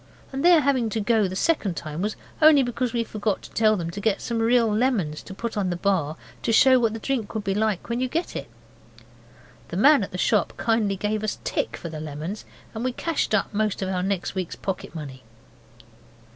And their having to go the second time was only because we forgot to tell them to get some real lemons to put on the bar to show what the drink would be like when you got it. The man at the shop kindly gave us tick for the lemons, and we cashed up out of our next week's pocket money.